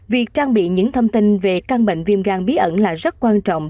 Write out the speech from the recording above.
việc trang bị những thông tin về căn bệnh viêm gan bí ẩn là rất quan trọng